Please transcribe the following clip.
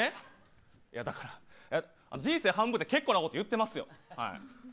人生半分って結構なこと言ってますよ。